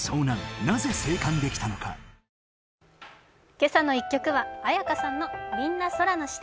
「けさの１曲」は絢香さんの「みんな空の下」。